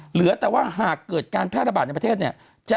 เหลือแต่ว่าหากเกิดการแพร่ระบาดในประเทศเนี่ย